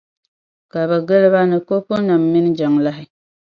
Ka bɛ gili ba ni kopunima mini jiŋlahi.